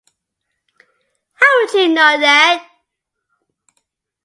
How would you know that?